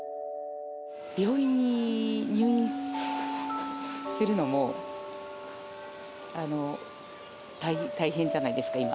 病院に入院するのも、大変じゃないですか、今。